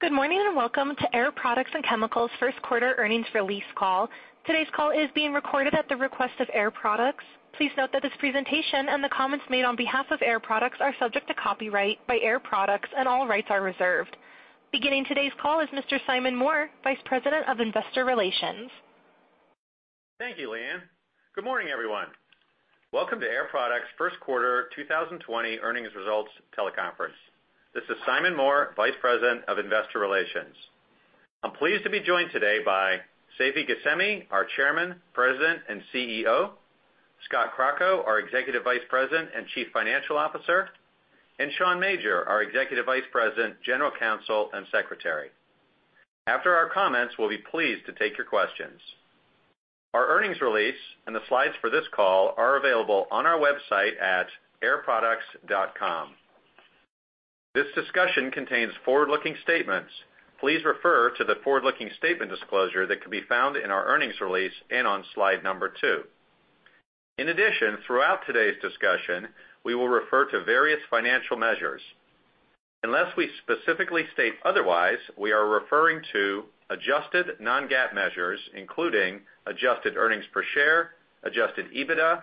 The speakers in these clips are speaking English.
Good morning, and welcome to Air Products and Chemicals first quarter earnings release call. Today's call is being recorded at the request of Air Products. Please note that this presentation and the comments made on behalf of Air Products are subject to copyright by Air Products, and all rights are reserved. Beginning today's call is Mr. Simon Moore, Vice President of Investor Relations. Thank you, Leanne. Good morning, everyone. Welcome to Air Products' first quarter 2020 earnings results teleconference. This is Simon Moore, Vice President of Investor Relations. I'm pleased to be joined today by Seifi Ghasemi, our Chairman, President, and CEO, Scott Crocco, our Executive Vice President and Chief Financial Officer, and Sean Major, our Executive Vice President, General Counsel, and Secretary. After our comments, we'll be pleased to take your questions. Our earnings release and the slides for this call are available on our website at airproducts.com. This discussion contains forward-looking statements. Please refer to the forward-looking statement disclosure that can be found in our earnings release and on slide number two. In addition, throughout today's discussion, we will refer to various financial measures. Unless we specifically state otherwise, we are referring to adjusted non-GAAP measures, including adjusted earnings per share, adjusted EBITDA,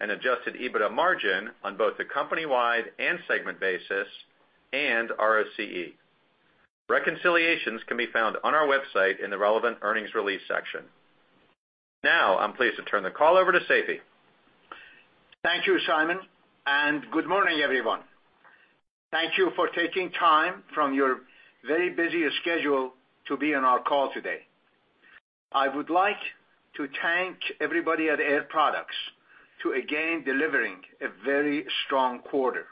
and adjusted EBITDA margin on both the company-wide and segment basis, and ROCE. Reconciliations can be found on our website in the relevant earnings release section. Now, I'm pleased to turn the call over to Seifi. Thank you, Simon, and good morning, everyone. Thank you for taking time from your very busy schedule to be on our call today. I would like to thank everybody at Air Products to again delivering a very strong quarter.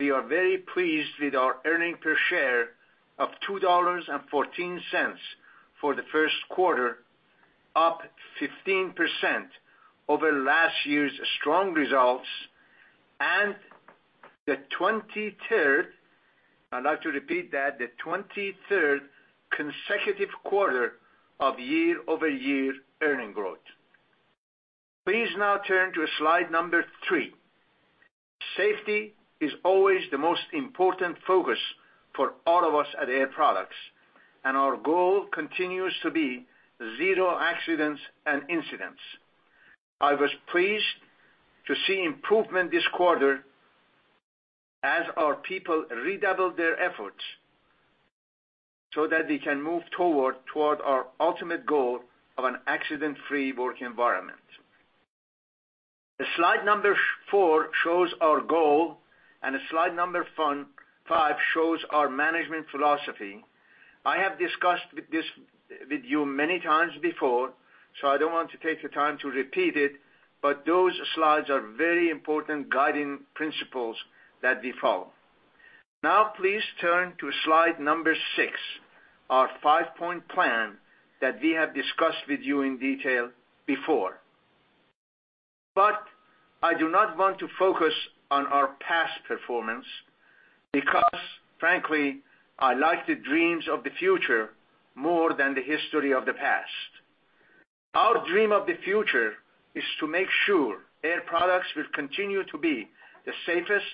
We are very pleased with our earning per share of $2.14 for the first quarter, up 15% over last year's strong results and the 23rd, I'd like to repeat that, the 23rd consecutive quarter of year-over-year earning growth. Please now turn to slide number three. Safety is always the most important focus for all of us at Air Products, and our goal continues to be zero accidents and incidents. I was pleased to see improvement this quarter as our people redoubled their efforts so that we can move toward our ultimate goal of an accident-free work environment. The slide number four shows our goal, and slide number five shows our management philosophy. I have discussed this with you many times before, so I don't want to take the time to repeat it, but those slides are very important guiding principles that we follow. Now, please turn to slide number six, our five-point plan that we have discussed with you in detail before. I do not want to focus on our past performance because frankly, I like the dreams of the future more than the history of the past. Our dream of the future is to make sure Air Products will continue to be the safest,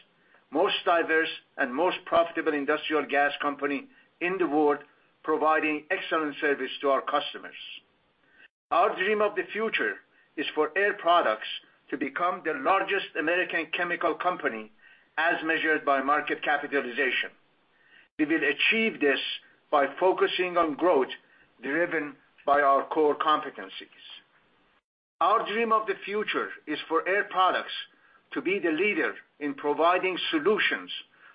most diverse, and most profitable industrial gas company in the world, providing excellent service to our customers. Our dream of the future is for Air Products to become the largest American chemical company as measured by market capitalization. We will achieve this by focusing on growth driven by our core competencies. Our dream of the future is for Air Products to be the leader in providing solutions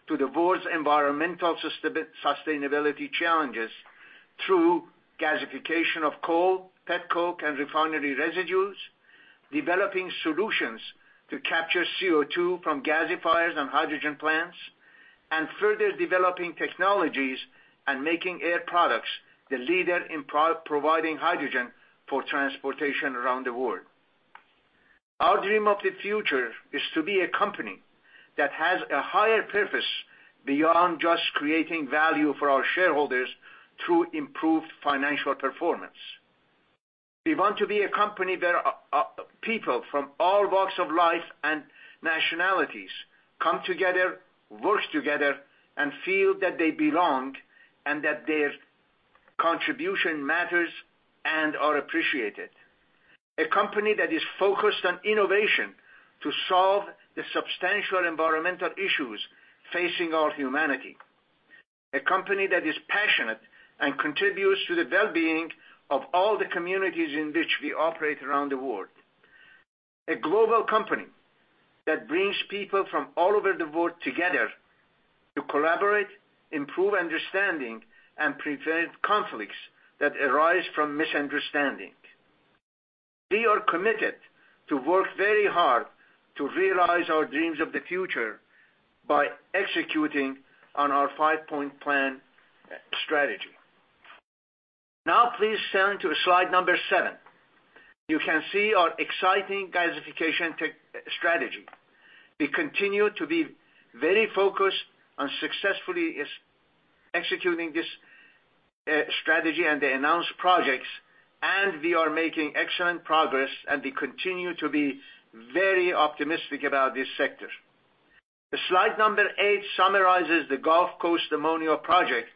to the world's environmental sustainability challenges through gasification of coal, petcoke, and refinery residues, developing solutions to capture CO2 from gasifiers and hydrogen plants, and further developing technologies and making Air Products the leader in providing hydrogen for transportation around the world. Our dream of the future is to be a company that has a higher purpose beyond just creating value for our shareholders through improved financial performance. We want to be a company where people from all walks of life and nationalities come together, work together, and feel that they belong, and that their contribution matters and are appreciated. A company that is focused on innovation to solve the substantial environmental issues facing our humanity. A company that is passionate and contributes to the well-being of all the communities in which we operate around the world. A global company that brings people from all over the world together to collaborate, improve understanding, and prevent conflicts that arise from misunderstanding. We are committed to work very hard to realize our dreams of the future by executing on our five-point plan strategy. Now please turn to slide number seven. You can see our exciting gasification strategy. We continue to be very focused on successfully executing this strategy and the announced projects, and we are making excellent progress, and we continue to be very optimistic about this sector. Slide number eight summarizes the Gulf Coast Ammonia project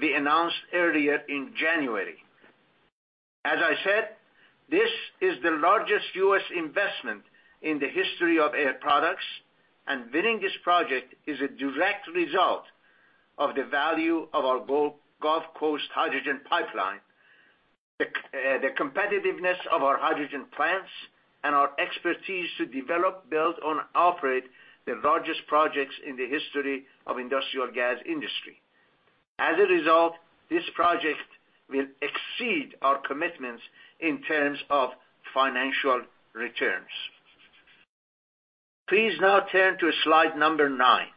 we announced earlier in January. As I said, this is the largest U.S. investment in the history of Air Products, and winning this project is a direct result of the value of our Gulf Coast hydrogen pipeline, the competitiveness of our hydrogen plants, and our expertise to develop, build, and operate the largest projects in the history of industrial gas industry. As a result, this project will exceed our commitments in terms of financial returns. Please now turn to slide number nine.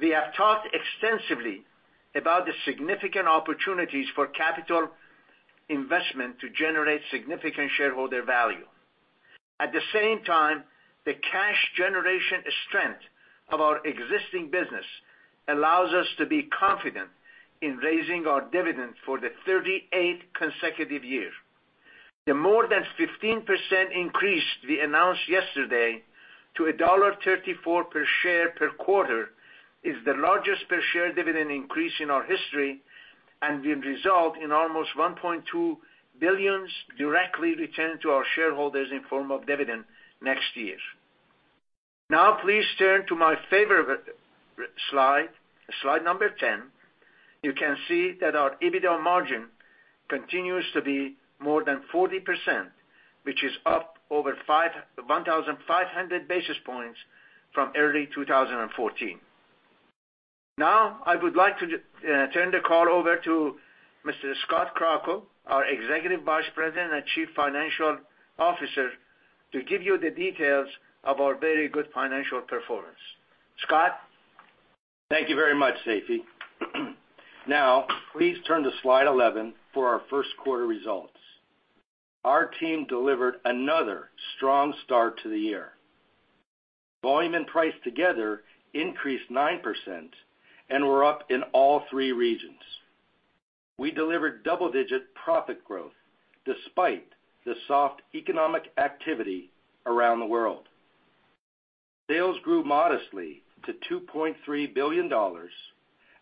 We have talked extensively about the significant opportunities for capital investment to generate significant shareholder value. At the same time, the cash generation strength of our existing business allows us to be confident in raising our dividend for the 38th consecutive year. The more than 15% increase we announced yesterday to $1.34 per share per quarter is the largest per share dividend increase in our history and will result in almost $1.2 billion directly returned to our shareholders in form of dividend next year. Please turn to my favorite slide number 10. You can see that our EBITDA margin continues to be more than 40%, which is up over 1,500 basis points from early 2014. I would like to turn the call over to Mr. Scott Crocco, our Executive Vice President and Chief Financial Officer, to give you the details of our very good financial performance. Scott? Thank you very much, Seifi. Now, please turn to slide 11 for our first quarter results. Our team delivered another strong start to the year. Volume and price together increased 9% and were up in all three regions. We delivered double-digit profit growth despite the soft economic activity around the world. Sales grew modestly to $2.3 billion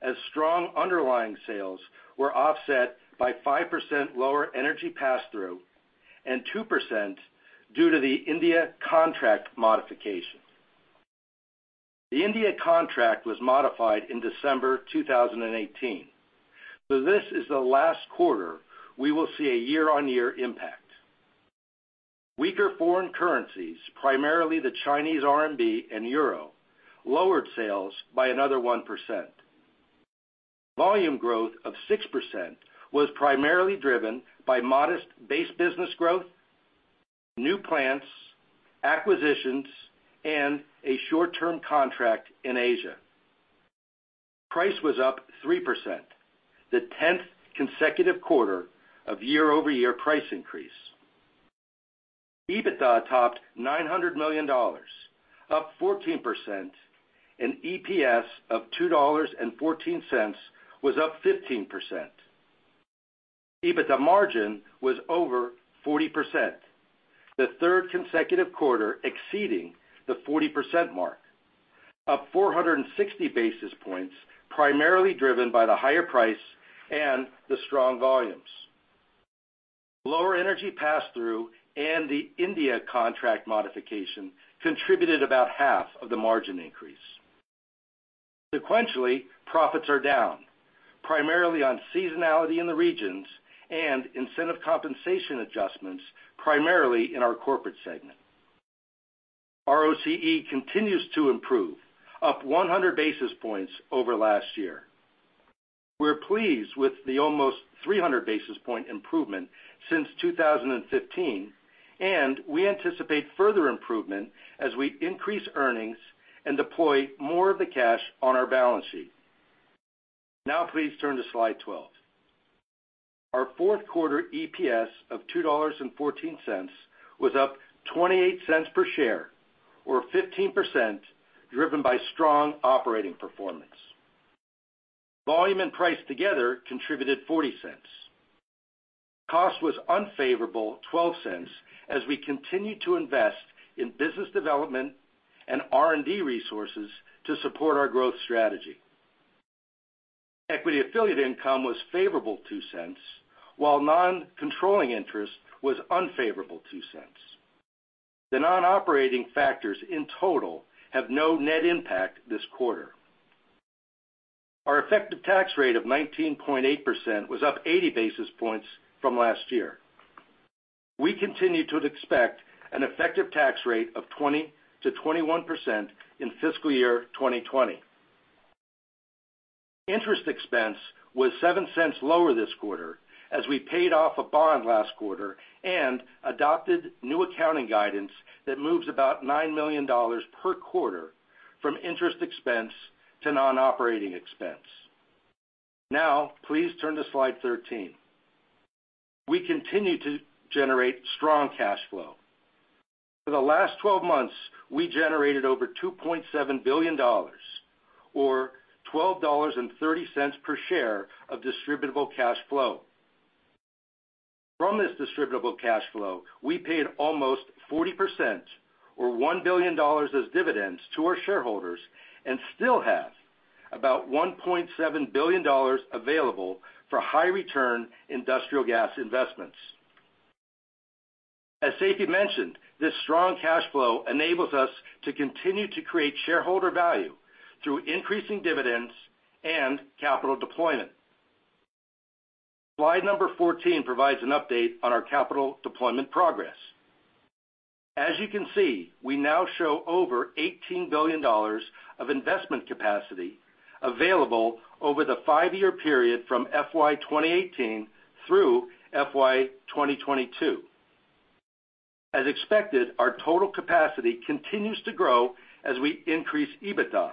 as strong underlying sales were offset by 5% lower energy pass-through and 2% due to the India contract modification. The India contract was modified in December 2018, this is the last quarter we will see a year-on-year impact. Weaker foreign currencies, primarily the Chinese RMB and EUR, lowered sales by another 1%. Volume growth of 6% was primarily driven by modest base business growth, new plants, acquisitions, and a short-term contract in Asia. Price was up 3%, the 10th consecutive quarter of year-over-year price increase. EBITDA topped $900 million, up 14%, and EPS of $2.14 was up 15%. EBITDA margin was over 40%, the third consecutive quarter exceeding the 40% mark, up 460 basis points, primarily driven by the higher price and the strong volumes. Lower energy pass-through and the India contract modification contributed about half of the margin increase. Sequentially, profits are down, primarily on seasonality in the regions and incentive compensation adjustments primarily in our corporate segment. ROCE continues to improve, up 100 basis points over last year. We're pleased with the almost 300 basis point improvement since 2015, and we anticipate further improvement as we increase earnings and deploy more of the cash on our balance sheet. Now please turn to slide 12. Our fourth quarter EPS of $2.14 was up $0.28 per share, or 15%, driven by strong operating performance. Volume and price together contributed $0.40. Cost was unfavorable $0.12 as we continue to invest in business development and R&D resources to support our growth strategy. Equity affiliate income was favorable $0.02, while non-controlling interest was unfavorable $0.02. The non-operating factors in total have no net impact this quarter. Our effective tax rate of 19.8% was up 80 basis points from last year. We continue to expect an effective tax rate of 20%-21% in fiscal year 2020. Interest expense was $0.07 lower this quarter as we paid off a bond last quarter and adopted new accounting guidance that moves about $9 million per quarter from interest expense to non-operating expense. Please turn to slide 13. We continue to generate strong cash flow. For the last 12 months, we generated over $2.7 billion or $12.30 per share of distributable cash flow. From this distributable cash flow, we paid almost 40% or $1 billion as dividends to our shareholders, and still have about $1.7 billion available for high return industrial gas investments. As Seifi mentioned, this strong cash flow enables us to continue to create shareholder value through increasing dividends and capital deployment. Slide number 14 provides an update on our capital deployment progress. As you can see, we now show over $18 billion of investment capacity available over the five-year period from FY 2018 through FY 2022. As expected, our total capacity continues to grow as we increase EBITDA.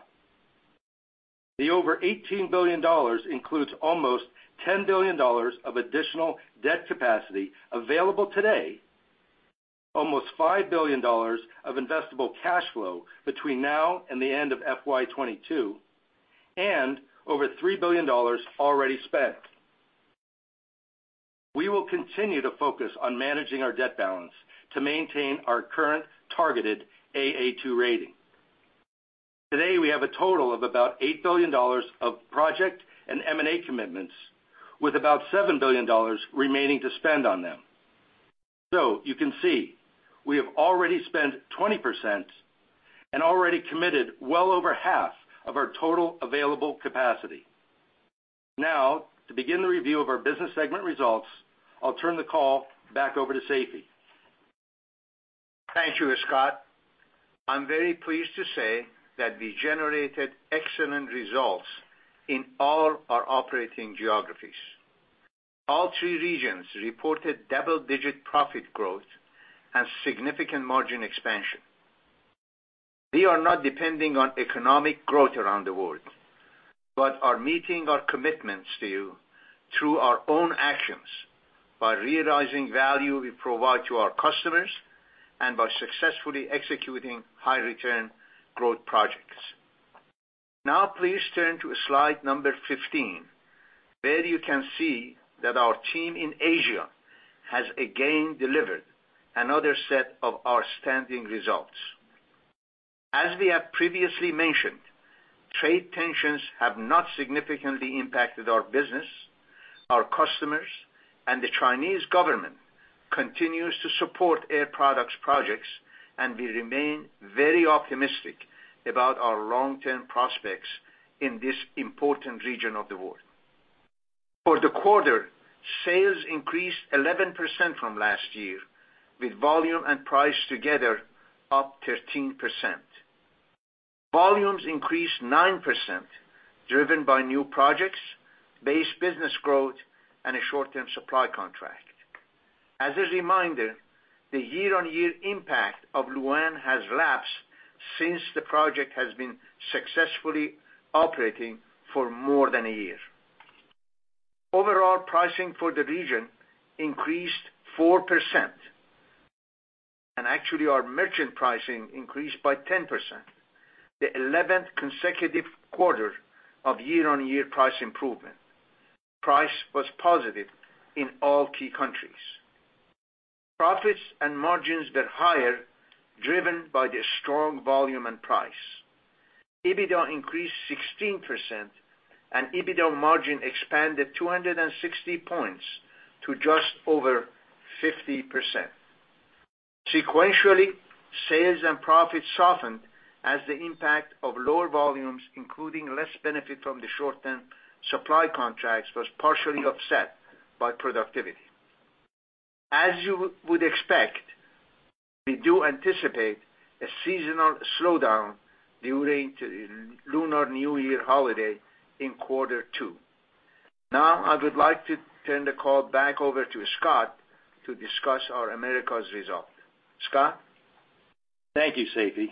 The over $18 billion includes almost $10 billion of additional debt capacity available today, almost $5 billion of investable cash flow between now and the end of FY 2022, and over $3 billion already spent. We will continue to focus on managing our debt balance to maintain our current targeted A/A2 rating. Today, we have a total of about $8 billion of project and M&A commitments, with about $7 billion remaining to spend on them. You can see, we have already spent 20% and already committed well over half of our total available capacity. To begin the review of our business segment results, I'll turn the call back over to Seifi. Thank you, Scott. I'm very pleased to say that we generated excellent results in all our operating geographies. All three regions reported double-digit profit growth and significant margin expansion. We are not depending on economic growth around the world, but are meeting our commitments to you through our own actions by realizing value we provide to our customers and by successfully executing high return growth projects. Please turn to slide number 15, where you can see that our team in Asia has again delivered another set of outstanding results. As we have previously mentioned, trade tensions have not significantly impacted our business. Our customers and the Chinese government continues to support Air Products projects, and we remain very optimistic about our long-term prospects in this important region of the world. For the quarter, sales increased 11% from last year, with volume and price together up 13%. Volumes increased 9%, driven by new projects, base business growth, and a short-term supply contract. As a reminder, the year-on-year impact of Lu'an has lapsed since the project has been successfully operating for more than a year. Overall pricing for the region increased 4%, and actually our merchant pricing increased by 10%, the 11th consecutive quarter of year-on-year price improvement. Price was positive in all key countries. Profits and margins were higher, driven by the strong volume and price. EBITDA increased 16% and EBITDA margin expanded 260 points to just over 50%. Sequentially, sales and profits softened as the impact of lower volumes, including less benefit from the short-term supply contracts, was partially offset by productivity. As you would expect, we do anticipate a seasonal slowdown during the Lunar New Year holiday in quarter two. Now I would like to turn the call back over to Scott to discuss our Americas result. Scott? Thank you, Seifi.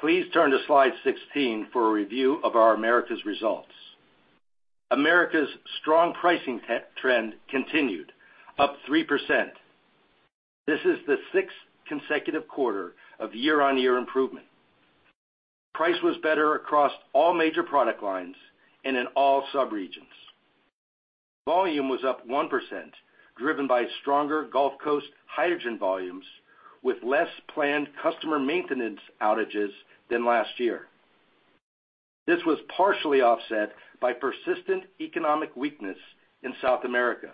Please turn to slide 16 for a review of our Americas results. Americas' strong pricing trend continued, up 3%. This is the sixth consecutive quarter of year-on-year improvement. Price was better across all major product lines and in all subregions. Volume was up 1%, driven by stronger Gulf Coast hydrogen volumes with less planned customer maintenance outages than last year. This was partially offset by persistent economic weakness in South America.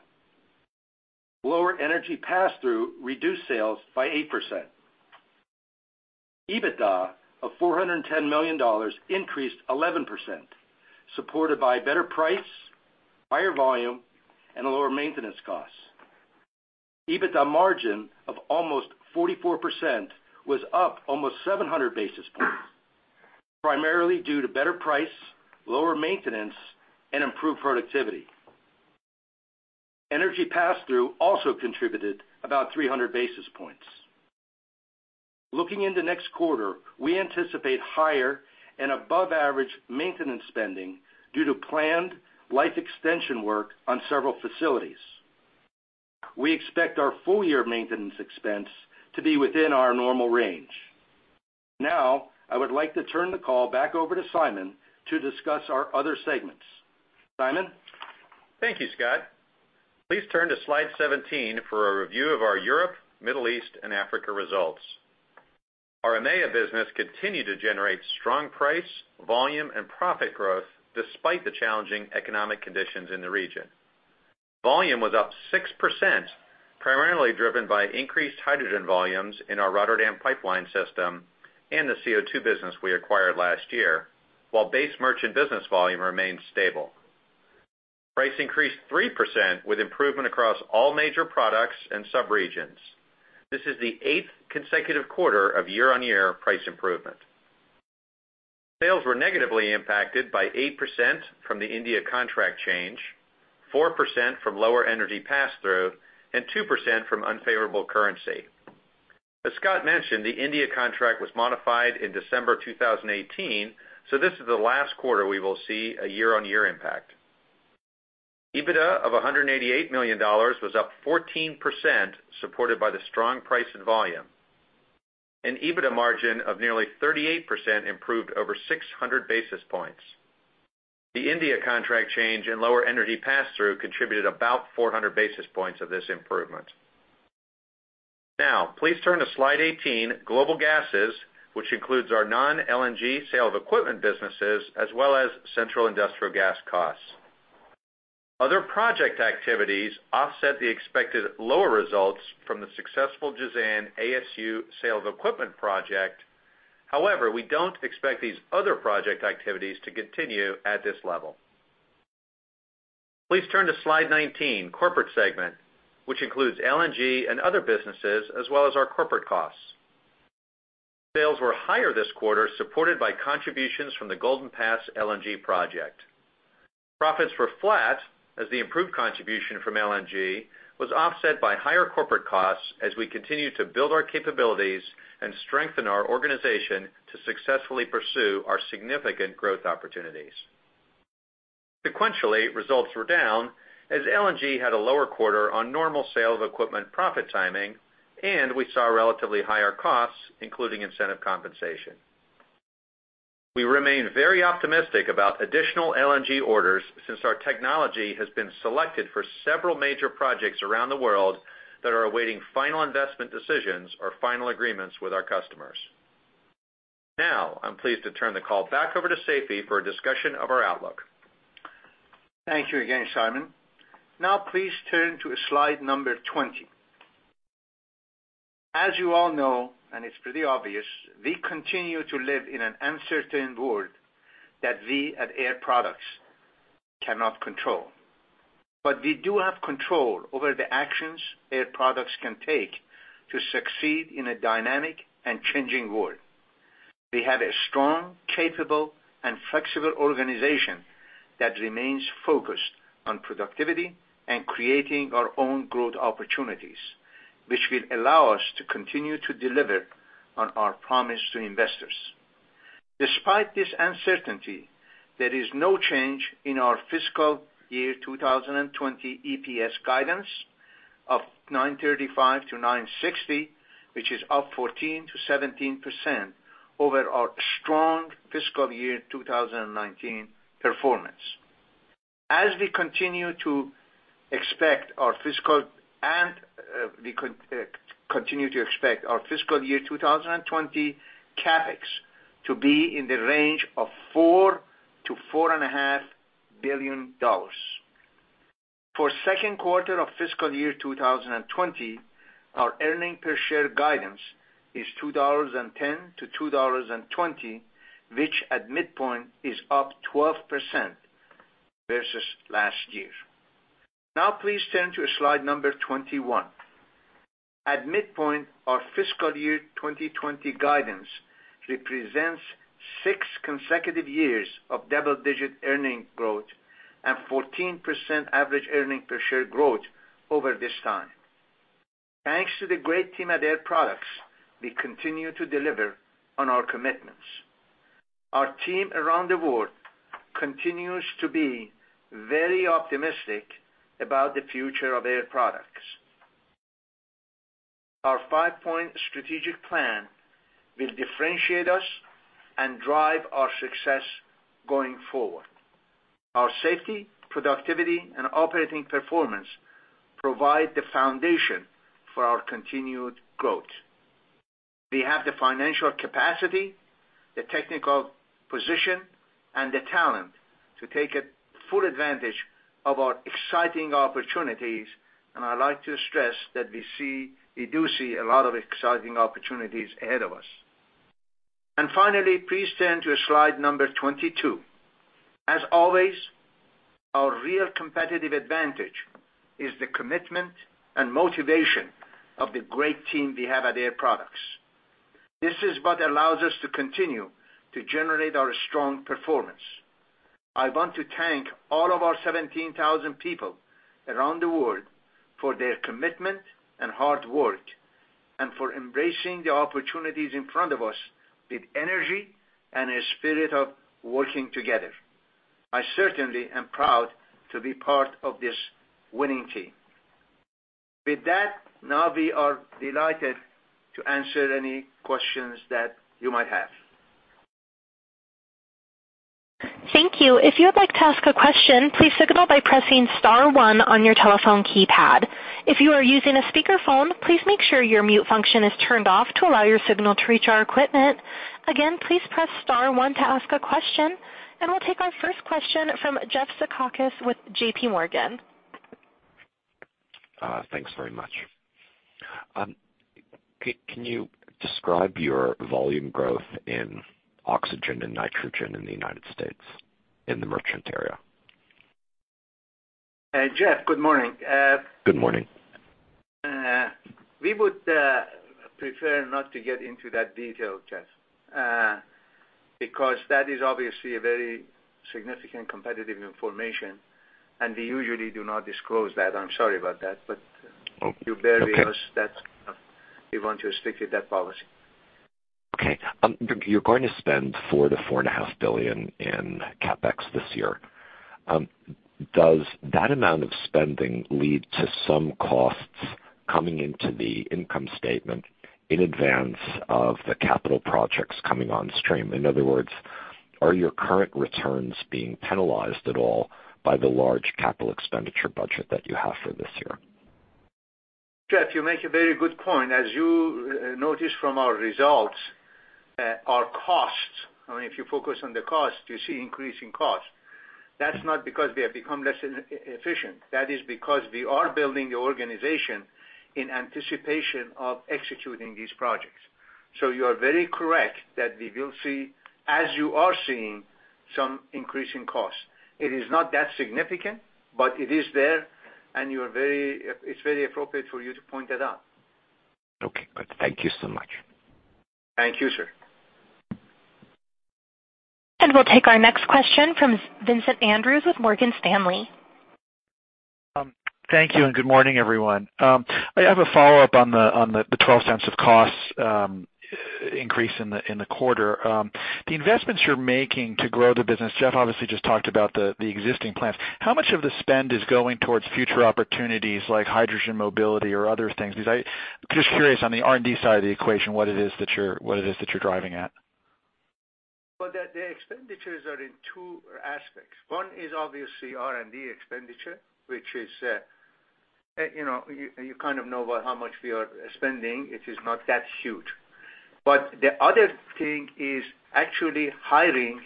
Lower energy pass-through reduced sales by 8%. EBITDA of $410 million increased 11%, supported by better price, higher volume, and lower maintenance costs. EBITDA margin of almost 44% was up almost 700 basis points, primarily due to better price, lower maintenance, and improved productivity. Energy pass-through also contributed about 300 basis points. Looking into next quarter, we anticipate higher and above average maintenance spending due to planned life extension work on several facilities. We expect our full-year maintenance expense to be within our normal range. I would like to turn the call back over to Simon to discuss our other segments. Simon? Thank you, Scott. Please turn to Slide 17 for a review of our Europe, Middle East, and Africa results. Our EMEA business continued to generate strong price, volume and profit growth despite the challenging economic conditions in the region. Volume was up 6%, primarily driven by increased hydrogen volumes in our Rotterdam pipeline system and the CO2 business we acquired last year. While base merchant business volume remained stable. Price increased 3% with improvement across all major products and sub-regions. This is the eighth consecutive quarter of year-on-year price improvement. Sales were negatively impacted by 8% from the India contract change, 4% from lower energy pass-through, and 2% from unfavorable currency. As Scott mentioned, the India contract was modified in December 2018, this is the last quarter we will see a year-on-year impact. EBITDA of $188 million was up 14%, supported by the strong price and volume. An EBITDA margin of nearly 38% improved over 600 basis points. The India contract change and lower energy pass-through contributed about 400 basis points of this improvement. Now, please turn to Slide 18, Global Gases, which includes our non-LNG sale of equipment businesses, as well as central industrial gas costs. Other project activities offset the expected lower results from the successful Jazan ASU sale of equipment project. However, we don't expect these other project activities to continue at this level. Please turn to Slide 19, Corporate Segment, which includes LNG and other businesses, as well as our corporate costs. Sales were higher this quarter, supported by contributions from the Golden Pass LNG project. Profits were flat as the improved contribution from LNG was offset by higher corporate costs as we continue to build our capabilities and strengthen our organization to successfully pursue our significant growth opportunities. Sequentially, results were down as LNG had a lower quarter on normal sale of equipment profit timing, and we saw relatively higher costs, including incentive compensation. We remain very optimistic about additional LNG orders since our technology has been selected for several major projects around the world that are awaiting final investment decisions or final agreements with our customers. I'm pleased to turn the call back over to Seifi for a discussion of our outlook. Thank you again, Simon. Now please turn to slide number 20. As you all know, and it's pretty obvious, we continue to live in an uncertain world that we at Air Products cannot control. We do have control over the actions Air Products can take to succeed in a dynamic and changing world. We have a strong, capable, and flexible organization that remains focused on productivity and creating our own growth opportunities, which will allow us to continue to deliver on our promise to investors. Despite this uncertainty, there is no change in our fiscal year 2020 EPS guidance of $9.35-9.60, which is up 14%-17% over our strong fiscal year 2019 performance. We continue to expect our fiscal year 2020 CapEx to be in the range of $4-4.5 billion. For second quarter of fiscal year 2020, our earnings per share guidance is $2.10-2.20, which at midpoint is up 12% versus last year. Now please turn to slide number 21. At midpoint, our fiscal year 2020 guidance represents six consecutive years of double-digit earnings growth and 14% average earnings per share growth over this time. Thanks to the great team at Air Products, we continue to deliver on our commitments. Our team around the world continues to be very optimistic about the future of Air Products. Our five-point strategic plan will differentiate us and drive our success going forward. Our safety, productivity, and operating performance provide the foundation for our continued growth. We have the financial capacity, the technical position, and the talent to take full advantage of our exciting opportunities, and I'd like to stress that we do see a lot of exciting opportunities ahead of us. Finally, please turn to slide number 22. As always, our real competitive advantage is the commitment and motivation of the great team we have at Air Products. This is what allows us to continue to generate our strong performance. I want to thank all of our 17,000 people around the world for their commitment and hard work, and for embracing the opportunities in front of us with energy and a spirit of working together. I certainly am proud to be part of this winning team. With that, now we are delighted to answer any questions that you might have. Thank you. If you would like to ask a question, please signal by pressing star one on your telephone keypad. If you are using a speakerphone, please make sure your mute function is turned off to allow your signal to reach our equipment. Again, please press star one to ask a question. We'll take our first question from Jeffrey Zekauskas with JPMorgan. Thanks very much. Can you describe your volume growth in oxygen and nitrogen in the United States in the merchant area? Jeff, good morning. Good morning. We would prefer not to get into that detail, Jeff, because that is obviously a very significant competitive information, and we usually do not disclose that. I'm sorry about that. Okay. You bear with us, we want to stick with that policy. Okay. You're going to spend $4-4.5 billion in CapEx this year. Does that amount of spending lead to some costs coming into the income statement in advance of the capital projects coming on stream? In other words, are your current returns being penalized at all by the large capital expenditure budget that you have for this year? Jeff, you make a very good point. As you notice from our results, our costs, if you focus on the cost, you see increasing costs. That's not because we have become less efficient. That is because we are building the organization in anticipation of executing these projects. You are very correct that we will see, as you are seeing, some increasing costs. It is not that significant, but it is there, and it's very appropriate for you to point that out. Okay, good. Thank you so much. Thank you, sir. We'll take our next question from Vincent Andrews with Morgan Stanley. Thank you. Good morning, everyone. I have a follow-up on the $0.12 of cost increase in the quarter. The investments you're making to grow the business, Jeff obviously just talked about the existing plans. How much of the spend is going towards future opportunities like hydrogen mobility or other things? I'm just curious on the R&D side of the equation, what it is that you're driving at. Well, the expenditures are in two aspects. One is obviously R&D expenditure, which is, you kind of know about how much we are spending. It is not that huge. The other thing is actually hiring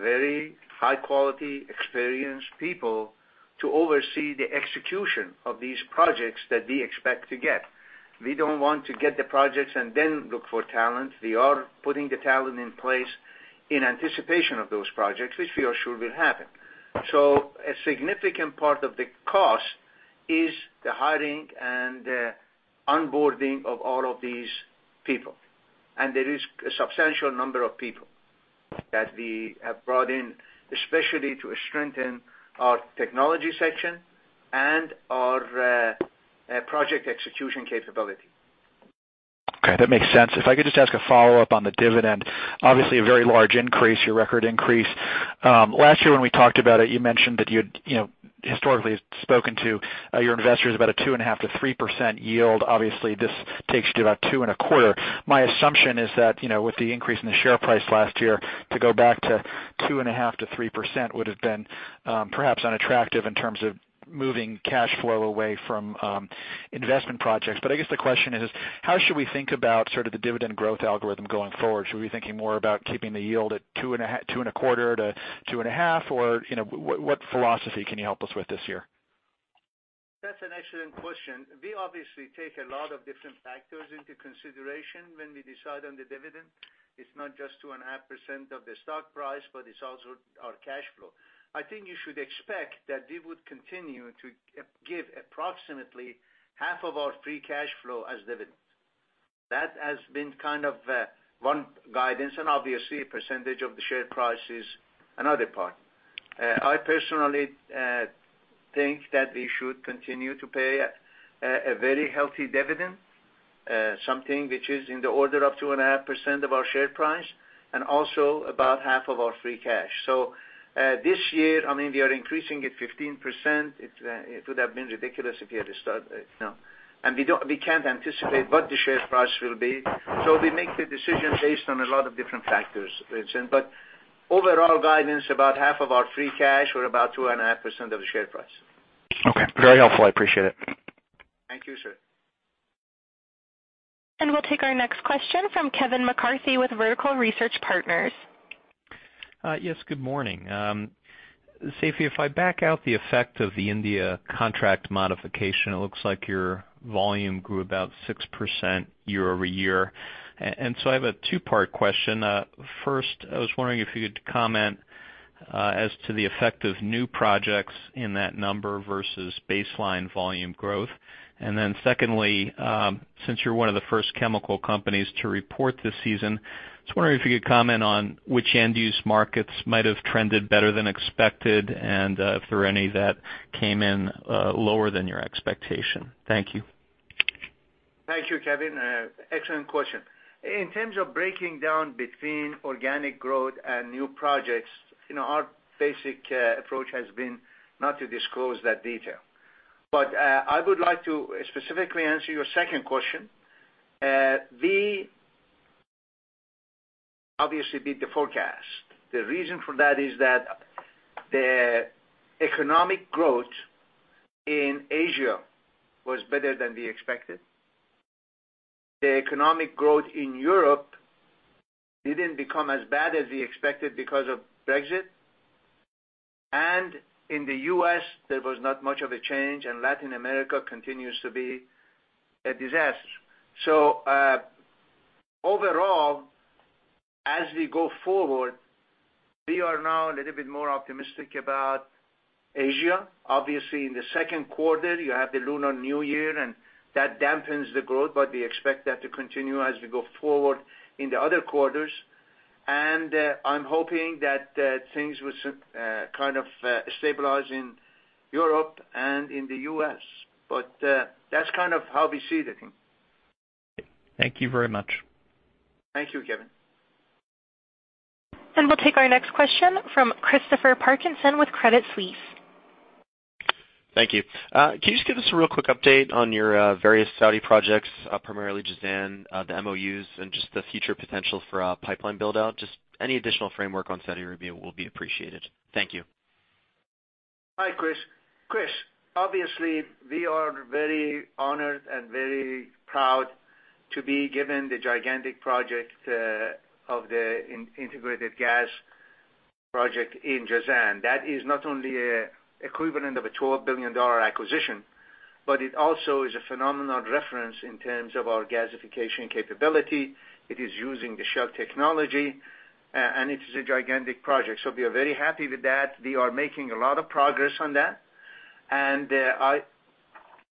very high-quality, experienced people to oversee the execution of these projects that we expect to get. We don't want to get the projects and then look for talent. We are putting the talent in place in anticipation of those projects, which we are sure will happen. A significant part of the cost is the hiring and the onboarding of all of these people. There is a substantial number of people that we have brought in, especially to strengthen our technology section and our project execution capability. Okay, that makes sense. If I could just ask a follow-up on the dividend. Obviously, a very large increase, your record increase. Last year when we talked about it, you mentioned that you'd historically spoken to your investors about a 2.5% to 3% yield. Obviously, this takes you to about two and a quarter. My assumption is that, with the increase in the share price last year, to go back to 2.5% to 3% would have been perhaps unattractive in terms of moving cash flow away from investment projects. I guess the question is, how should we think about sort of the dividend growth algorithm going forward? Should we be thinking more about keeping the yield at two and a quarter to two and a half? What philosophy can you help us with this year? That's an excellent question. We obviously take a lot of different factors into consideration when we decide on the dividend. It's not just 2.5% of the stock price, but it's also our cash flow. I think you should expect that we would continue to give approximately half of our free cash flow as dividends. That has been kind of one guidance and obviously a percentage of the share price is another part. I personally think that we should continue to pay a very healthy dividend, something which is in the order of 2.5% of our share price, and also about half of our free cash. This year, we are increasing it 15%. We can't anticipate what the share price will be. We make the decision based on a lot of different factors, Vincent. Overall guidance, about half of our free cash or about 2.5% of the share price. Okay. Very helpful. I appreciate it. Thank you, sir. We'll take our next question from Kevin McCarthy with Vertical Research Partners. Yes, good morning. Seifi, if I back out the effect of the India contract modification, it looks like your volume grew about 6% year-over-year. So I have a two-part question. First, I was wondering if you could comment as to the effect of new projects in that number versus baseline volume growth. Then secondly, since you're one of the first chemical companies to report this season, I was wondering if you could comment on which end-use markets might have trended better than expected, and if there were any that came in lower than your expectation. Thank you. Thank you, Kevin. Excellent question. In terms of breaking down between organic growth and new projects, our basic approach has been not to disclose that detail. I would like to specifically answer your second question. We obviously beat the forecast. The reason for that is that the economic growth in Asia was better than we expected. The economic growth in Europe didn't become as bad as we expected because of Brexit. In the U.S., there was not much of a change, and Latin America continues to be a disaster. Overall, as we go forward, we are now a little bit more optimistic about Asia. Obviously, in the second quarter, you have the Lunar New Year, and that dampens the growth, but we expect that to continue as we go forward in the other quarters. I'm hoping that things will kind of stabilize in Europe and in the U.S. That's kind of how we see the thing. Thank you very much. Thank you, Kevin. We'll take our next question from Christopher Parkinson with Credit Suisse. Thank you. Can you just give us a real quick update on your various Saudi projects, primarily Jazan, the MOUs, and just the future potential for pipeline build-out? Just any additional framework on Saudi Arabia will be appreciated. Thank you. Hi, Chris. Obviously, we are very honored and very proud to be given the gigantic project of the integrated gas project in Jazan. That is not only equivalent of a $12 billion acquisition, but it also is a phenomenal reference in terms of our gasification capability. It is using the Shell technology, and it is a gigantic project. We are very happy with that. We are making a lot of progress on that, and I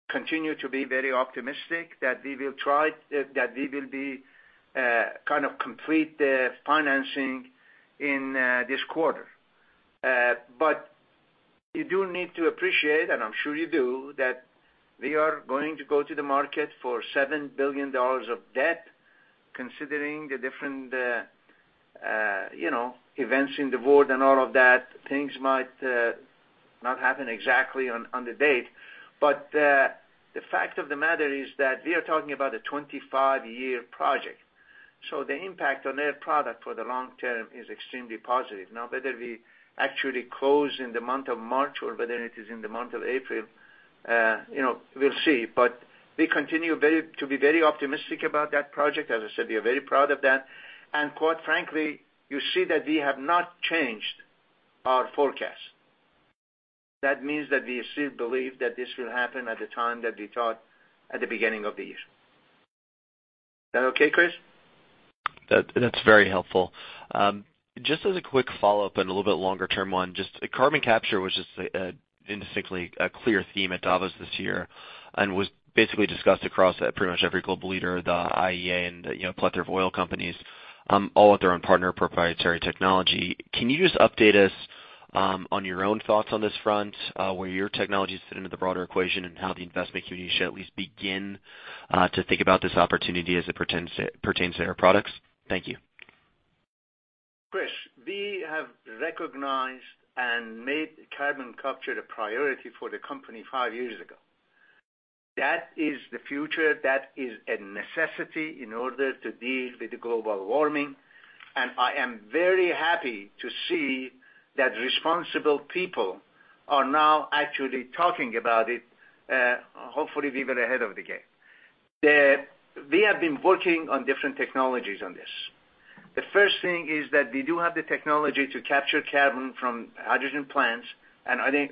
continue to be very optimistic that we will be, kind of complete the financing in this quarter. You do need to appreciate, and I'm sure you do, that we are going to go to the market for $7 billion of debt, considering the different events in the world and all of that, things might not happen exactly on the date. The fact of the matter is that we are talking about a 25-year project. The impact on Air Products for the long term is extremely positive. Now, whether we actually close in the month of March or whether it is in the month of April, we'll see, but we continue to be very optimistic about that project. As I said, we are very proud of that. Quite frankly, you see that we have not changed our forecast. That means that we still believe that this will happen at the time that we thought at the beginning of the year. That okay, Chris? That's very helpful. Just as a quick follow-up and a little bit longer-term one, carbon capture was just distinctly a clear theme at Davos this year and was basically discussed across pretty much every global leader, the IEA and plethora of oil companies, all with their own partner proprietary technology. Can you just update us on your own thoughts on this front, where your technologies fit into the broader equation and how the investment community should at least begin to think about this opportunity as it pertains to Air Products? Thank you. Chris, we have recognized and made carbon capture the priority for the company five years ago. That is the future. That is a necessity in order to deal with the global warming, I am very happy to see that responsible people are now actually talking about it. Hopefully, we were ahead of the game. We have been working on different technologies on this. The first thing is that we do have the technology to capture carbon from hydrogen plants and other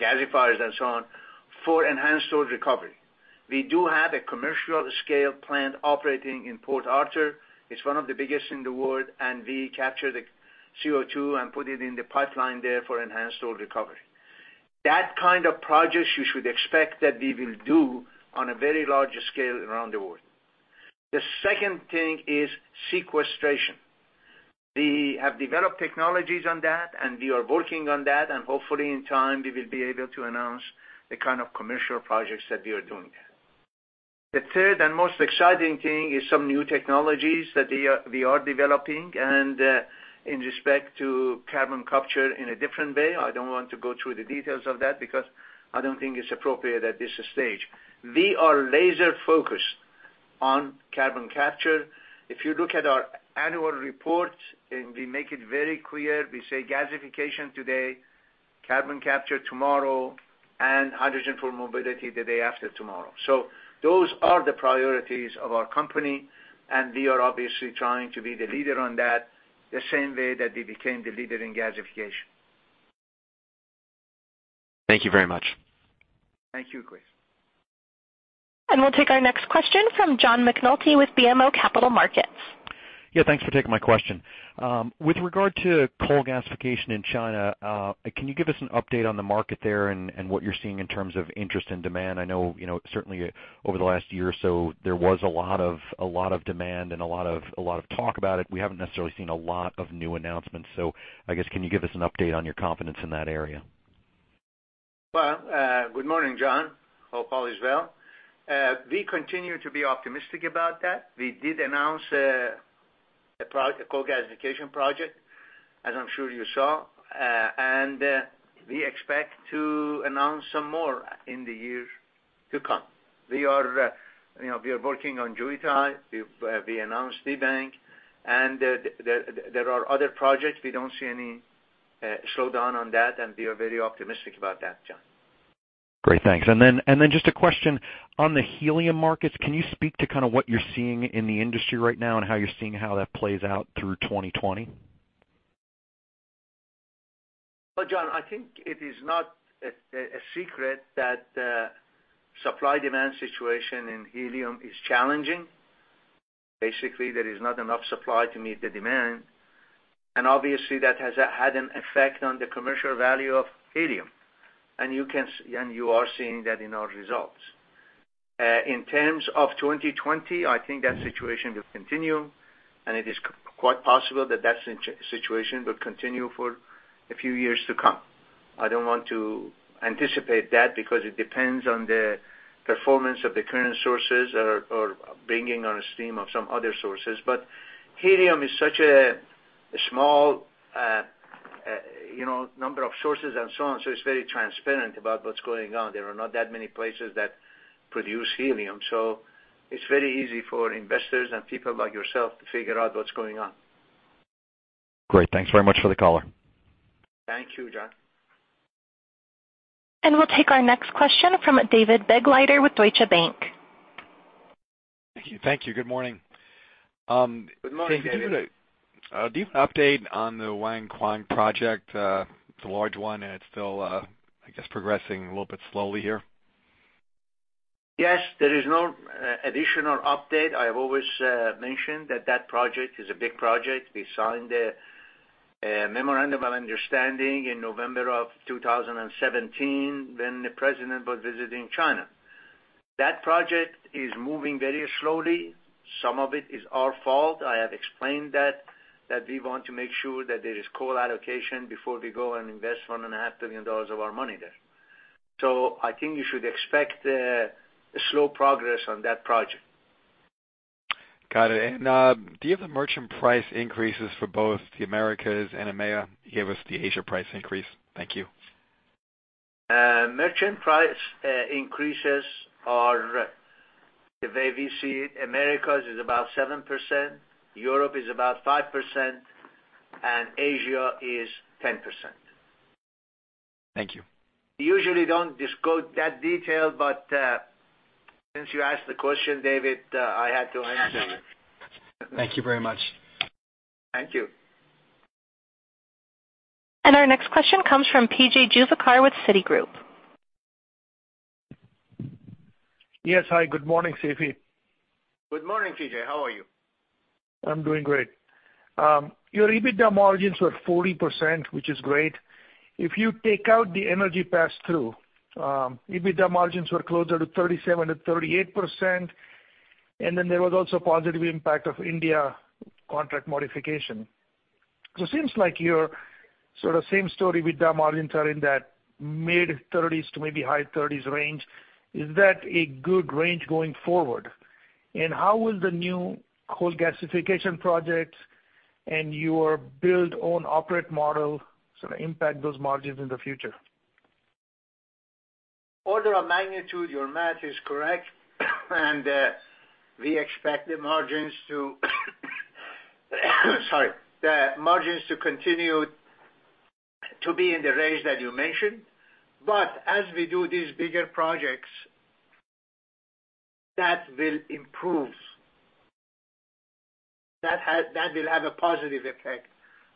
gasifiers and so on, for enhanced oil recovery. We do have a commercial scale plant operating in Port Arthur. It's one of the biggest in the world. We capture the CO2 and put it in the pipeline there for enhanced oil recovery. That kind of projects you should expect that we will do on a very large scale around the world. The second thing is sequestration. We have developed technologies on that, and we are working on that, and hopefully in time, we will be able to announce the kind of commercial projects that we are doing there. The third and most exciting thing is some new technologies that we are developing and in respect to carbon capture in a different way. I don't want to go through the details of that because I don't think it's appropriate at this stage. We are laser-focused on carbon capture. If you look at our annual report, and we make it very clear, we say gasification today, carbon capture tomorrow, and hydrogen for mobility the day after tomorrow. Those are the priorities of our company, and we are obviously trying to be the leader on that, the same way that we became the leader in gasification. Thank you very much. Thank you, Chris. We'll take our next question from John McNulty with BMO Capital Markets. Yeah, thanks for taking my question. With regard to coal gasification in China, can you give us an update on the market there and what you're seeing in terms of interest and demand? I know, certainly over the last year or so, there was a lot of demand and a lot of talk about it. We haven't necessarily seen a lot of new announcements. I guess, can you give us an update on your confidence in that area? Well, good morning, John. Hope all is well. We continue to be optimistic about that. We did announce a coal gasification project, as I'm sure you saw, and we expect to announce some more in the years to come. We are working on Jiutai. We've announced Debang, and there are other projects. We don't see any slowdown on that, and we are very optimistic about that, John. Great, thanks. Just a question on the helium markets. Can you speak to kind of what you're seeing in the industry right now, and how you're seeing how that plays out through 2020? Well, John, I think it is not a secret that supply-demand situation in helium is challenging. Basically, there is not enough supply to meet the demand, and obviously, that has had an effect on the commercial value of helium. You are seeing that in our results. In terms of 2020, I think that situation will continue, and it is quite possible that that situation will continue for a few years to come. I don't want to anticipate that because it depends on the performance of the current sources or bringing on a stream of some other sources. Helium is such a small number of sources, and so on. It's very transparent about what's going on. There are not that many places that produce helium, so it's very easy for investors and people like yourself to figure out what's going on. Great. Thanks very much for the color. Thank you, John. We'll take our next question from David Begleiter with Deutsche Bank. Thank you. Good morning. Good morning, David. Do you have an update on the Yankuang project? It's a large one and it's still, I guess, progressing a little bit slowly here. Yes, there is no additional update. I have always mentioned that that project is a big project. We signed a memorandum of understanding in November of 2017 when the president was visiting China. That project is moving very slowly. Some of it is our fault. I have explained that we want to make sure that there is coal allocation before we go and invest $1.5 billion of our money there. I think you should expect a slow progress on that project. Got it. Do you have the merchant price increases for both the Americas and EMEA? You gave us the Asia price increase. Thank you. Merchant price increases are, the way we see it, Americas is about 7%, Europe is about 5%, and Asia is 10%. Thank you. We usually don't disclose that detail, but since you asked the question, David, I had to answer it. Thank you very much. Thank you. Our next question comes from P.J. Juvekar with Citigroup. Yes. Hi, good morning, Seifi. Good morning, P.J. How are you? I'm doing great. Your EBITDA margins were 40%, which is great. If you take out the energy pass-through, EBITDA margins were closer to 37%-38%, and then there was also positive impact of India contract modification. Seems like you're sort of same story with EBITDA margins are in that mid-30s to maybe high 30s range. Is that a good range going forward? How will the new coal gasification project and your build-own-operate model sort of impact those margins in the future? Order of magnitude, your math is correct, and we expect the margins to continue to be in the range that you mentioned. As we do these bigger projects, that will improve. That will have a positive effect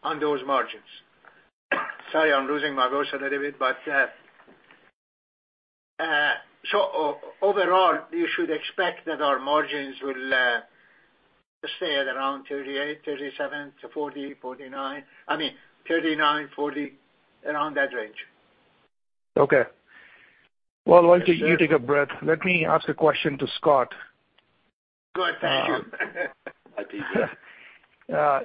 on those margins. Sorry, I'm losing my voice a little bit. Overall, you should expect that our margins will stay at around 38%, 37%-40%, 49%. I mean, 39%, 40%, around that range. Okay. Well, while you take a breath, let me ask a question to Scott. Good. Thank you. Hi, P.J.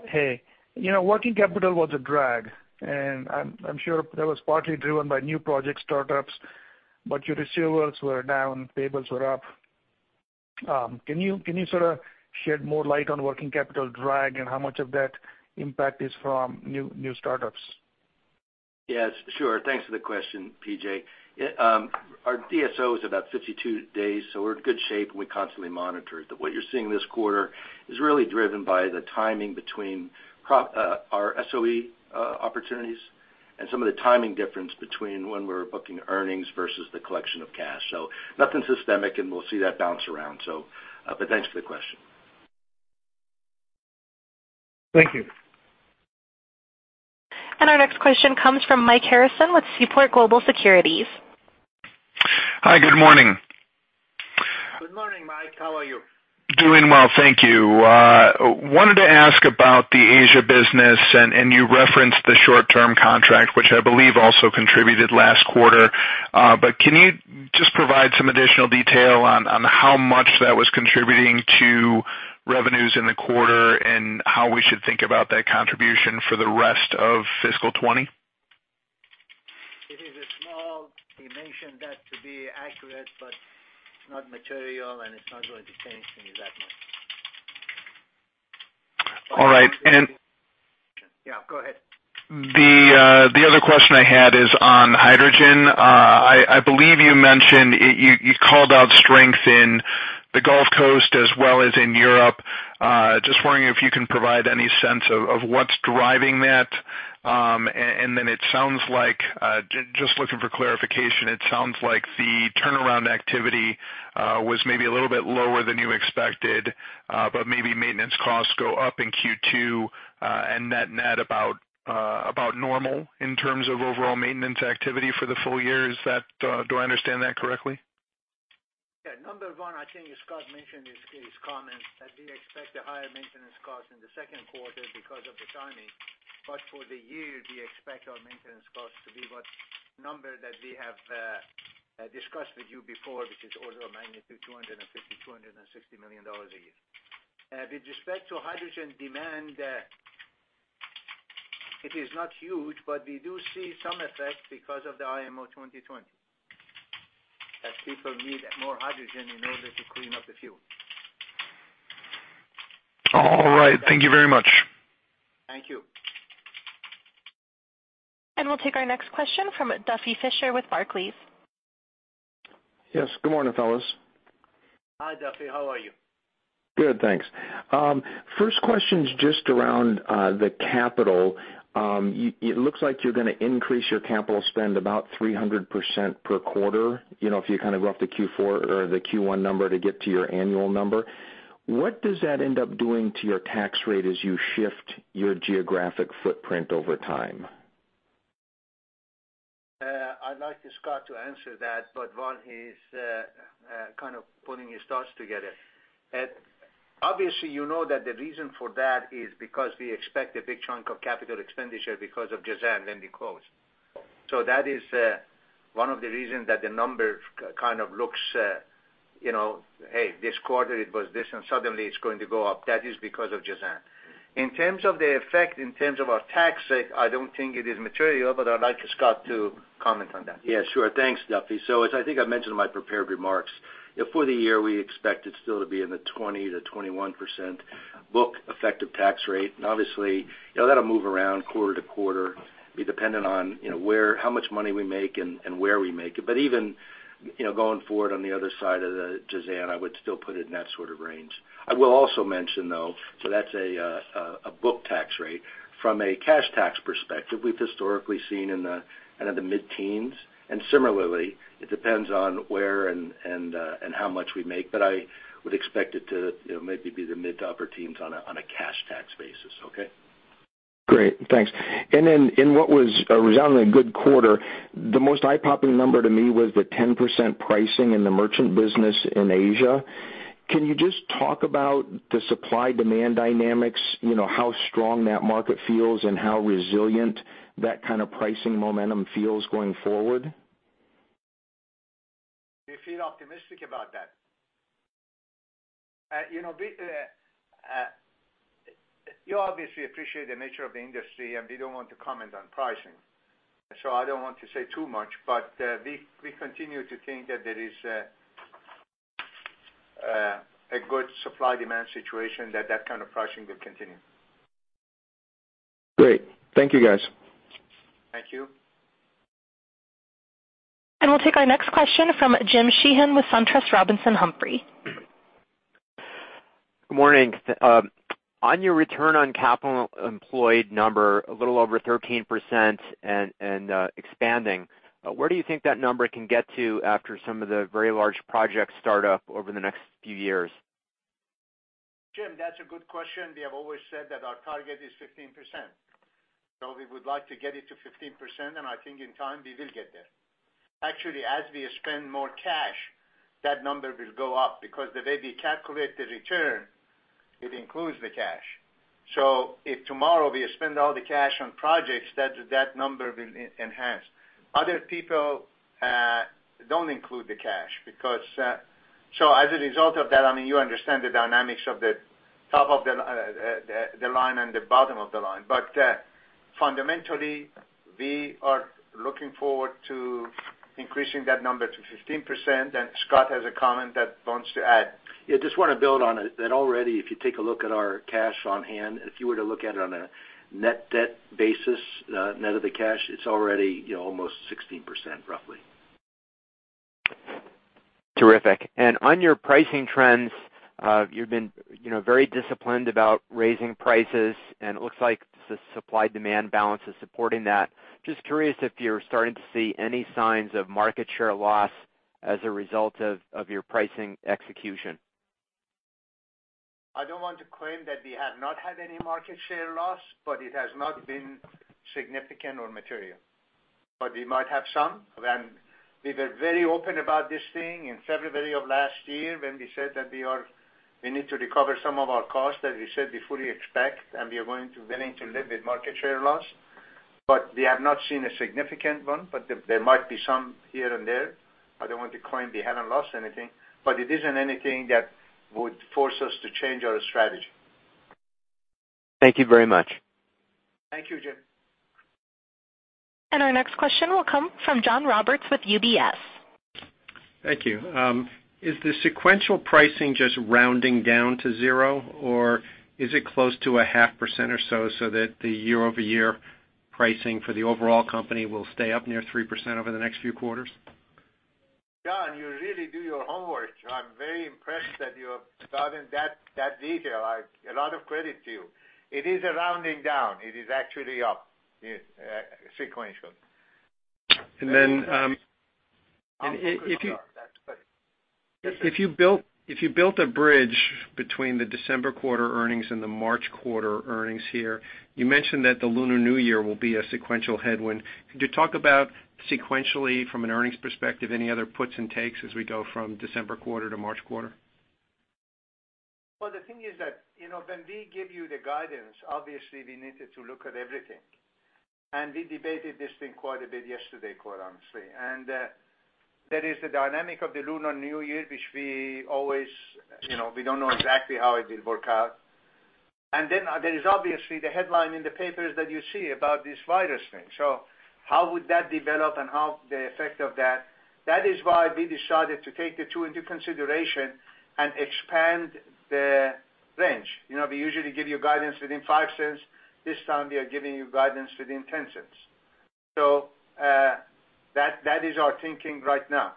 Hey. Working capital was a drag, and I'm sure that was partly driven by new project startups, but your receivables were down, payables were up. Can you sort of shed more light on working capital drag and how much of that impact is from new startups? Yes, sure. Thanks for the question, P.J. Our DSO is about 52 days. We're in good shape, and we constantly monitor it. What you're seeing this quarter is really driven by the timing between our SOE opportunities and some of the timing difference between when we're booking earnings versus the collection of cash. Nothing systemic, and we'll see that bounce around. Thanks for the question. Thank you. Our next question comes from Mike Harrison with Seaport Global Securities. Hi, good morning. Good morning, Mike. How are you? Doing well, thank you. Wanted to ask about the Asia business. You referenced the short-term contract, which I believe also contributed last quarter. Can you just provide some additional detail on how much that was contributing to revenues in the quarter, and how we should think about that contribution for the rest of fiscal 2020? It is small. We mentioned that to be accurate, but not material, and it's not going to change any of that much. All right. Yeah, go ahead. The other question I had is on hydrogen. I believe you mentioned, you called out strength in the Gulf Coast as well as in Europe. Just wondering if you can provide any sense of what's driving that. It sounds like, just looking for clarification, it sounds like the turnaround activity was maybe a little bit lower than you expected. Maybe maintenance costs go up in Q2, and net about normal in terms of overall maintenance activity for the full-year. Do I understand that correctly? Yeah. Number one, I think Scott mentioned in his comments that we expect a higher maintenance cost in the second quarter because of the timing. For the year, we expect our maintenance costs to be what number that we have discussed with you before, which is order of magnitude $250 million, $260 million a year. With respect to hydrogen demand, it is not huge, but we do see some effect because of the IMO 2020, that people need more hydrogen in order to clean up the fuel. All right. Thank you very much. Thank you. We'll take our next question from Duffy Fischer with Barclays. Good morning, fellas. Hi, Duffy. How are you? Good, thanks. First question's just around the capital. It looks like you're gonna increase your capital spend about 300% per quarter. If you kind of go off the Q4 or the Q1 number to get to your annual number. What does that end up doing to your tax rate as you shift your geographic footprint over time? I'd like Scott to answer that. While he's kind of pulling his thoughts together. Obviously, you know that the reason for that is because we expect a big chunk of capital expenditure because of Jazan then we close. That is one of the reasons that the number kind of looks, hey, this quarter it was this, and suddenly it's going to go up. That is because of Jazan. In terms of the effect in terms of our tax rate, I don't think it is material, but I'd like Scott to comment on that. Yeah, sure. Thanks, Duffy. As I think I mentioned in my prepared remarks, for the year, we expect it still to be in the 20%-21% book effective tax rate. Obviously, that'll move around quarter-to-quarter, be dependent on how much money we make and where we make it. Even going forward on the other side of the Jazan, I would still put it in that sort of range. I will also mention, though, that's a book tax rate. From a cash tax perspective, we've historically seen in the mid-teens, and similarly, it depends on where and how much we make, but I would expect it to maybe be the mid-to-upper teens on a cash tax basis. Okay? Great. Thanks. In what was resoundingly a good quarter, the most eye-popping number to me was the 10% pricing in the merchant business in Asia. Can you just talk about the supply-demand dynamics, how strong that market feels, and how resilient that kind of pricing momentum feels going forward? We feel optimistic about that. You obviously appreciate the nature of the industry, and we don't want to comment on pricing. I don't want to say too much, but we continue to think that there is a good supply-demand situation that that kind of pricing will continue. Great. Thank you, guys. Thank you. We'll take our next question from Jim Sheehan with SunTrust Robinson Humphrey. Good morning. On your return on capital employed number, a little over 13% and expanding, where do you think that number can get to after some of the very large projects start up over the next few years? Jim, that's a good question. We have always said that our target is 15%. We would like to get it to 15%, and I think in time we will get there. Actually, as we spend more cash, that number will go up because the way we calculate the return, it includes the cash. If tomorrow we spend all the cash on projects, that number will enhance. Other people don't include the cash. As a result of that, I mean, you understand the dynamics of the top of the line and the bottom of the line. Fundamentally, we are looking forward to increasing that number to 15%, and Scott has a comment that he wants to add. Yeah, just want to build on it, that already, if you take a look at our cash on hand, if you were to look at it on a net debt basis, net of the cash, it's already almost 16%, roughly. Terrific. On your pricing trends, you've been very disciplined about raising prices, and it looks like the supply-demand balance is supporting that. Just curious if you're starting to see any signs of market share loss as a result of your pricing execution? I don't want to claim that we have not had any market share loss, but it has not been significant or material. We might have some, and we were very open about this thing in February of last year when we said that we need to recover some of our costs, as we said, we fully expect, and we are willing to live with market share loss. We have not seen a significant one, but there might be some here and there. I don't want to claim we haven't lost anything, but it isn't anything that would force us to change our strategy. Thank you very much. Thank you, Jim. Our next question will come from John Roberts with UBS. Thank you. Is the sequential pricing just rounding down to zero, or is it close to a half % or so that the year-over-year pricing for the overall company will stay up near 3% over the next few quarters? John, you really do your homework. I'm very impressed that you have gotten that detail. A lot of credit to you. It is a rounding down. It is actually up, yes, sequential. If you built a bridge between the December quarter earnings and the March quarter earnings here, you mentioned that the Lunar New Year will be a sequential headwind. Could you talk about sequentially from an earnings perspective, any other puts and takes as we go from December quarter to March quarter? Well, the thing is that, when we give you the guidance, obviously, we needed to look at everything. We debated this thing quite a bit yesterday, quite honestly. There is the dynamic of the Lunar New Year, which we don't know exactly how it will work out. Then there is obviously the headline in the papers that you see about this virus thing. How would that develop and the effect of that? That is why we decided to take the two into consideration and expand the range. We usually give you guidance within $0.05. This time, we are giving you guidance within $0.10. That is our thinking right now,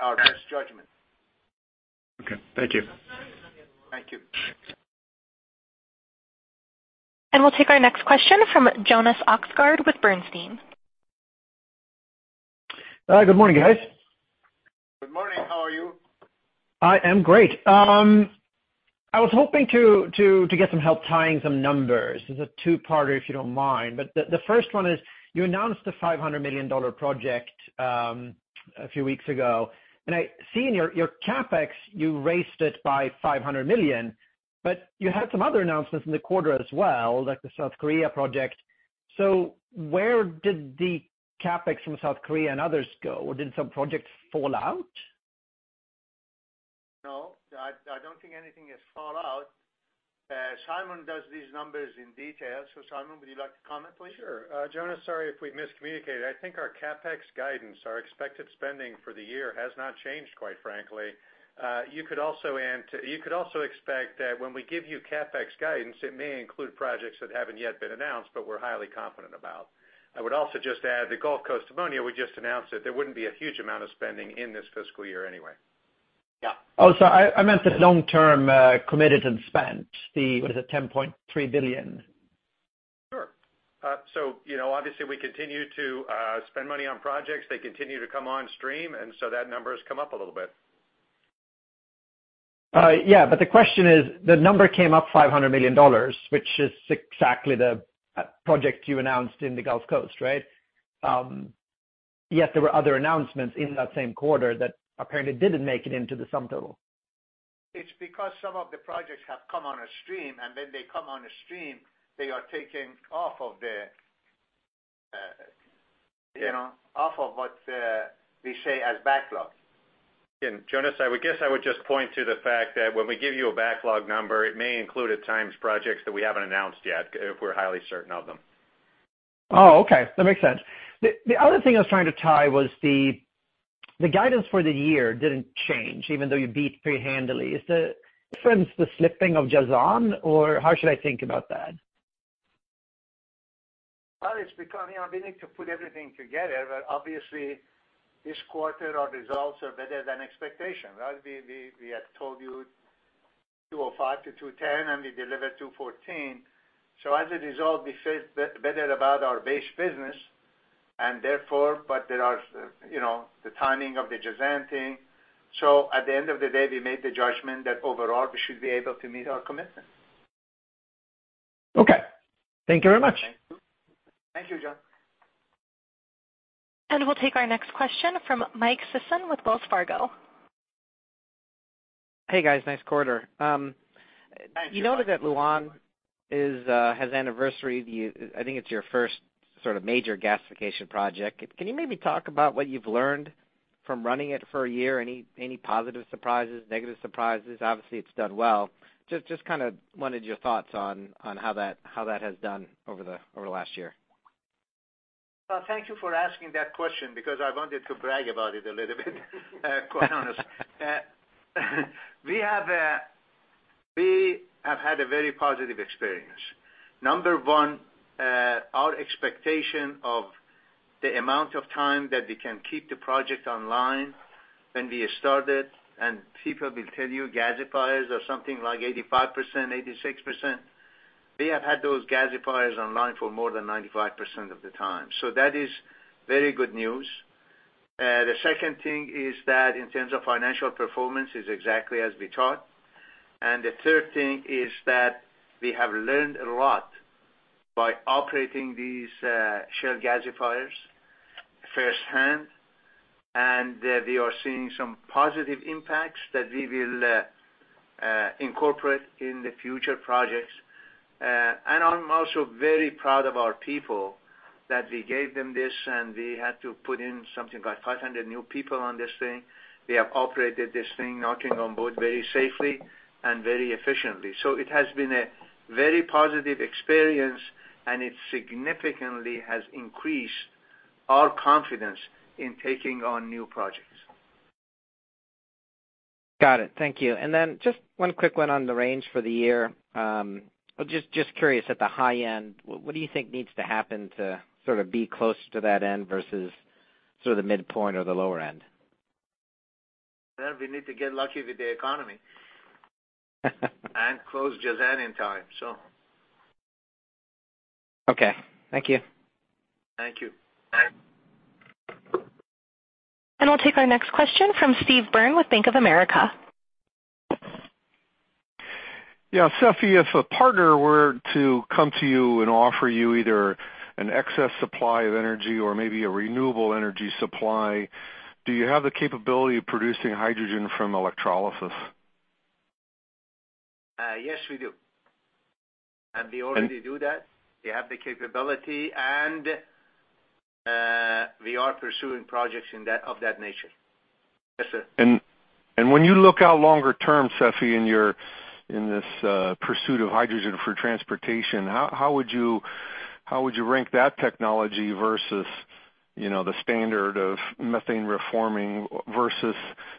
our best judgment. Okay. Thank you. Thank you. We'll take our next question from Jonas Oxgaard with Bernstein. Good morning, guys. Good morning. How are you? I am great. I was hoping to get some help tying some numbers. This is a two-parter if you don't mind, but the first one is, you announced a $500 million project a few weeks ago. I see in your CapEx, you raised it by $500 million, but you had some other announcements in the quarter as well, like the South Korea project. Where did the CapEx from South Korea and others go, or did some projects fall out? No, I don't think anything has fall out. Simon does these numbers in detail. Simon, would you like to comment please? Sure. Jonas, sorry if we miscommunicated. I think our CapEx guidance, our expected spending for the year has not changed, quite frankly. You could also expect that when we give you CapEx guidance, it may include projects that haven't yet been announced, but we're highly confident about. I would also just add the Gulf Coast Ammonia we just announced that there wouldn't be a huge amount of spending in this fiscal year anyway. Yeah. Oh, sorry, I meant the long-term, committed and spent, the, what is it, $10.3 billion. Sure. Obviously, we continue to spend money on projects. They continue to come on stream. That number has come up a little bit. Yeah, the question is, the number came up $500 million, which is exactly the project you announced in the Gulf Coast, right? There were other announcements in that same quarter that apparently didn't make it into the sum total. It's because some of the projects have come onstream, and when they come onstream, they are taken off of what we say as backlog. Jonas, I guess I would just point to the fact that when we give you a backlog number, it may include, at times, projects that we haven't announced yet, if we're highly certain of them. Oh, okay. That makes sense. The other thing I was trying to tie was the guidance for the year didn't change, even though you beat pretty handily. Is that for instance, the slipping of Jazan? How should I think about that? Well, we need to put everything together, but obviously this quarter, our results are better than expectation, right? We had told you 205 to 210, and we delivered 214. As a result, we feel better about our base business, and therefore, but there are the timing of the Jazan thing. At the end of the day, we made the judgment that overall, we should be able to meet our commitment. Okay. Thank you very much. Thank you. Thank you, Jonas. We'll take our next question from Mike Sison with Wells Fargo. Hey, guys. Nice quarter. Thanks. You noted that Lu'an has anniversary. I think it's your first sort of major gasification project. Can you maybe talk about what you've learned from running it for a year? Any positive surprises, negative surprises? Obviously, it's done well. Just wanted your thoughts on how that has done over the last year. Well, thank you for asking that question because I wanted to brag about it a little bit quite honest. We have had a very positive experience. Number one, our expectation of the amount of time that we can keep the project online when we started, and people will tell you gasifiers are something like 85%, 86%. We have had those gasifiers online for more than 95% of the time. That is very good news. The second thing is that in terms of financial performance is exactly as we thought. The third thing is that we have learned a lot by operating these Shell gasifiers firsthand, and we are seeing some positive impacts that we will incorporate in the future projects. I'm also very proud of our people that we gave them this, and we had to put in something like 500 new people on this thing. We have operated this thing, knocking on wood, very safely and very efficiently. It has been a very positive experience, and it significantly has increased our confidence in taking on new projects. Got it. Thank you. Then just one quick one on the range for the year. Just curious, at the high end, what do you think needs to happen to sort of be close to that end versus sort of the midpoint or the lower end? Well, we need to get lucky with the economy. Close Jazan in time. Okay. Thank you. Thank you. We'll take our next question from Steve Byrne with Bank of America. Yeah, Seifi, if a partner were to come to you and offer you either an excess supply of energy or maybe a renewable energy supply, do you have the capability of producing hydrogen from electrolysis? Yes, we do. We already do that. We have the capability, and we are pursuing projects of that nature. Yes, sir. When you look out longer term, Seifi, in this pursuit of hydrogen for transportation, how would you rank that technology versus the standard of methane reforming versus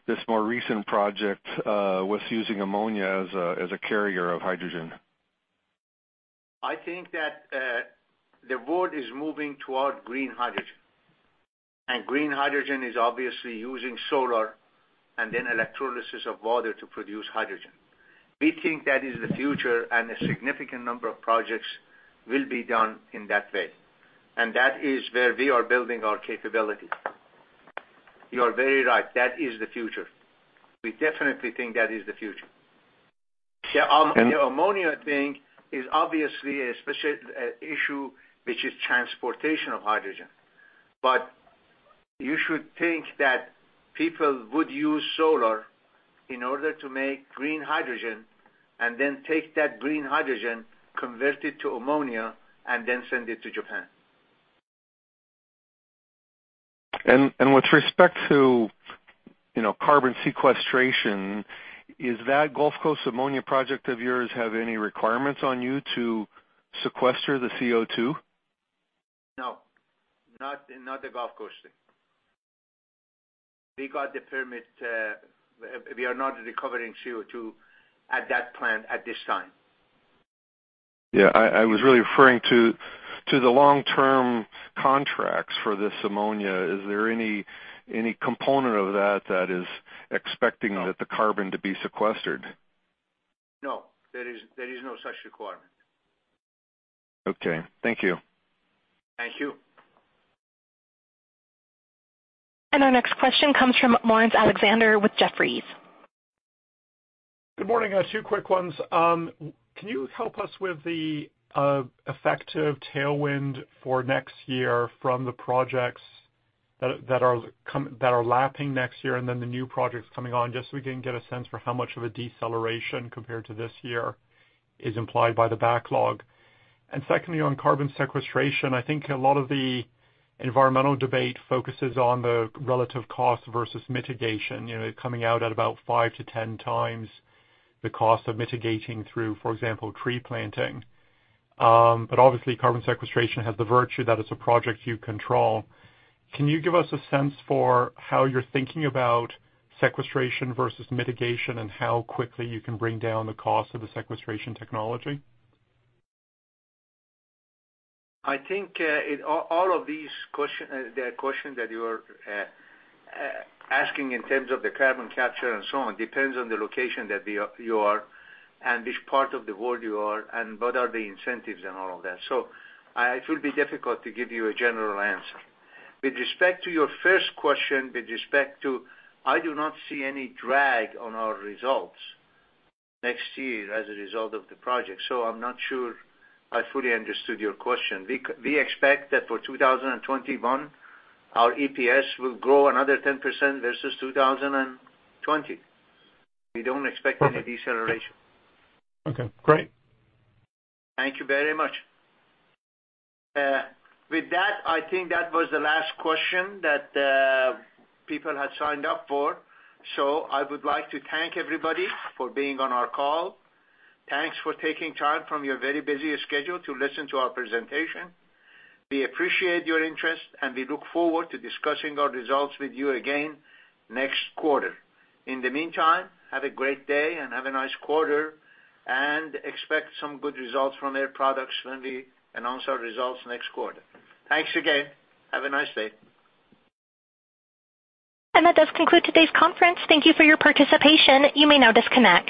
this more recent project with using ammonia as a carrier of hydrogen? I think that the world is moving toward green hydrogen, and green hydrogen is obviously using solar and then electrolysis of water to produce hydrogen. We think that is the future, and a significant number of projects will be done in that way. That is where we are building our capability. You are very right. That is the future. We definitely think that is the future. The ammonia thing is obviously a specific issue, which is transportation of hydrogen. You should think that people would use solar in order to make green hydrogen and then take that green hydrogen, convert it to ammonia, and then send it to Japan. With respect to carbon sequestration, is that Gulf Coast Ammonia project of yours have any requirements on you to sequester the CO2? No, not the Gulf Coast thing. We got the permit. We are not recovering CO2 at that plant at this time. Yeah, I was really referring to the long-term contracts for this ammonia. Is there any component of that that is expecting the carbon to be sequestered? No, there is no such requirement. Okay. Thank you. Thank you. Our next question comes from Laurence Alexander with Jefferies. Good morning. Two quick ones. Can you help us with the effective tailwind for next year from the projects that are lapping next year and then the new projects coming on, just so we can get a sense for how much of a deceleration compared to this year is implied by the backlog? Secondly, on carbon sequestration, I think a lot of the environmental debate focuses on the relative cost versus mitigation. It's coming out at about 5x to 10x the cost of mitigating through, for example, tree planting. Obviously, carbon sequestration has the virtue that it's a project you control. Can you give us a sense for how you're thinking about sequestration versus mitigation and how quickly you can bring down the cost of the sequestration technology? I think all of these questions that you are asking in terms of the carbon capture and so on depends on the location that you are and which part of the world you are and what are the incentives and all of that. It will be difficult to give you a general answer. With respect to your first question, I do not see any drag on our results next year as a result of the project. I'm not sure I fully understood your question. We expect that for 2021, our EPS will grow another 10% versus 2020. We don't expect any deceleration. Okay, great. Thank you very much. With that, I think that was the last question that people had signed up for. I would like to thank everybody for being on our call. Thanks for taking time from your very busy schedule to listen to our presentation. We appreciate your interest, and we look forward to discussing our results with you again next quarter. In the meantime, have a great day and have a nice quarter, and expect some good results from Air Products when we announce our results next quarter. Thanks again. Have a nice day. That does conclude today's conference. Thank you for your participation. You may now disconnect.